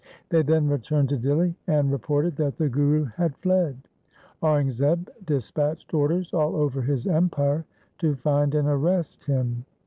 They then returned to Dihli, and reported that the Guru had fled. Aurangzeb dis patched orders all over his empire to find and arrest him.